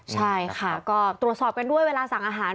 ใช่ค่ะก็ตรวจสอบกันด้วยเวลาสั่งอาหาร